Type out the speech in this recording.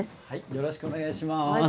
よろしくお願いします。